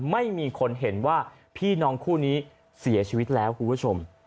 ไม่มีคนเห็นว่าพี่น้องคู่นี้เสียชีวิตแล้วคุณผู้ชม